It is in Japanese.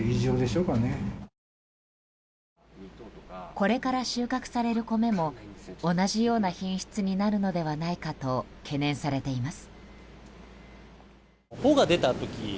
これから収穫される米も同じような品質になるのではないかと懸念されています。